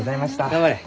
頑張れ。